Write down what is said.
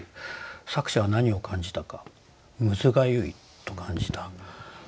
作者は何を感じたかむずがゆいと感じた。